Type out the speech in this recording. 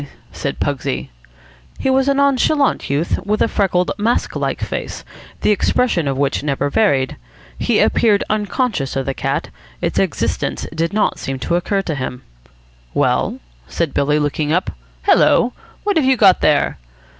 said Pugsy. He was a nonchalant youth, with a freckled, mask like face, the expression of which never varied. He appeared unconscious of the cat. Its existence did not seem to occur to him. "Well?" said Billy, looking up. "Hello, what have you got there?"